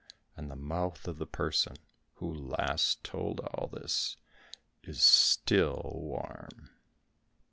And the mouth of the person who last told all this is still warm.